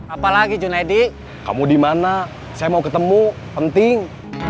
apalagi junaidi kamu dimana saya mau ketemu penting